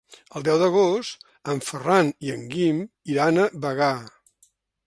El deu d'agost en Ferran i en Guim iran a Bagà.